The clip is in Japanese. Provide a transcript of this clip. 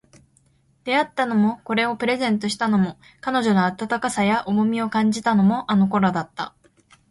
出会ったのも、これをプレゼントしたのも、彼女の温かさや重みを感じたのも、あの頃だった